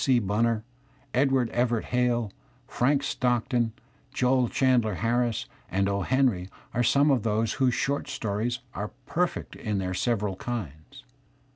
C. Bunner, Edward Everett Hale, Frank Stock ton, Joel Chandler Harris, and "O. Heniy " are some of those I whose short stories are perfect in their several kinds.